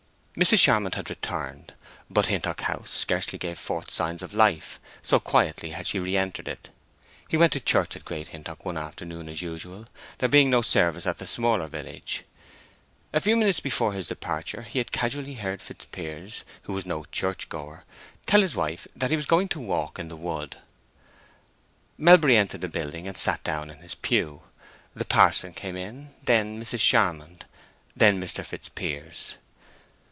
Mrs. Charmond had returned. But Hintock House scarcely gave forth signs of life, so quietly had she reentered it. He went to church at Great Hintock one afternoon as usual, there being no service at the smaller village. A few minutes before his departure, he had casually heard Fitzpiers, who was no church goer, tell his wife that he was going to walk in the wood. Melbury entered the building and sat down in his pew; the parson came in, then Mrs. Charmond, then Mr. Fitzpiers.